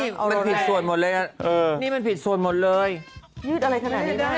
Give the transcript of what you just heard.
มันผิดส่วนหมดเลยอ่ะเออนี่มันผิดส่วนหมดเลยยืดอะไรขนาดนี้ได้